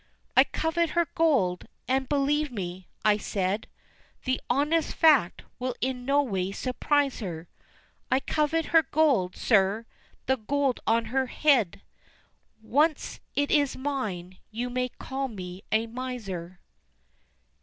"I covet her gold, and, believe me," I said, "The honest fact will in no way surprise her, I covet her gold, sir, the gold on her head, Once it is mine you may call me a miser."